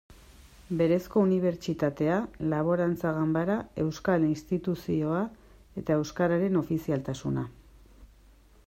Berezko unibertsitatea, Laborantza Ganbara, Euskal Instituzioa eta euskararen ofizialtasuna.